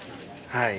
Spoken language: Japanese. はい。